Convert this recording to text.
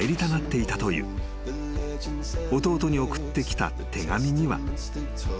［弟に送ってきた手紙には］